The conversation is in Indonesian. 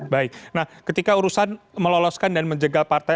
baik nah ketika urusan meloloskan dan menjegal partai